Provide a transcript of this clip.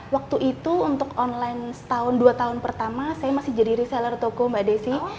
waktu itu untuk online setahun dua tahun pertama saya masih jadi reseller toko mbak desi